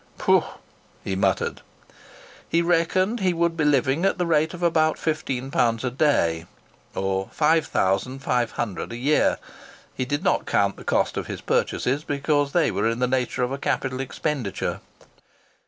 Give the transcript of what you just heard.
"Pooh!" he muttered. He reckoned he would be living at the rate of about fifteen pounds a day, or five thousand five hundred a year. (He did not count the cost of his purchases, because they were in the nature of a capital expenditure.)